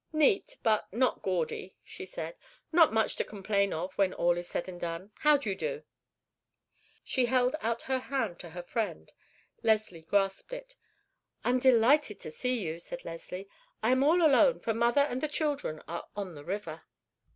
"Neat, but not gaudy," she said; "not much to complain of when all is said and done. How do you do?" She held out her hand to her friend. Leslie grasped it. "I am delighted to see you," said Leslie. "I am all alone, for mother and all the children are on the river."